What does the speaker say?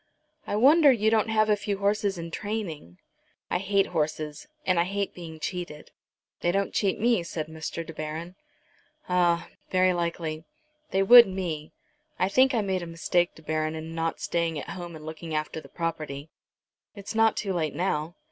"I wonder you don't have a few horses in training." "I hate horses, and I hate being cheated." "They don't cheat me," said Mr. De Baron. "Ah; very likely. They would me. I think I made a mistake, De Baron, in not staying at home and looking after the property." "It's not too late, now."